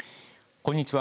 こんにちは。